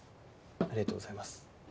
ありがとうございます。